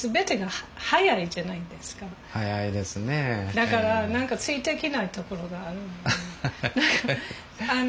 だから何かついていけないところがあるの。